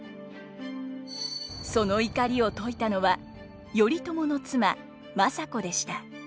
その怒りを解いたのは頼朝の妻政子でした。